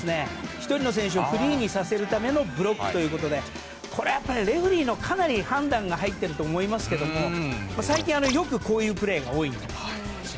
１人の選手をフリーにさせるためのブロックということでこれはレフェリーの判断が入っていると思いますけども最近よくこういうプレーが多いです。